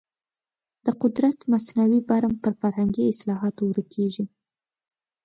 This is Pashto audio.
د قدرت مصنوعي برم په فرهنګي اصلاحاتو ورکېږي.